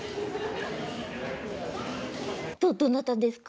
どどなたですか？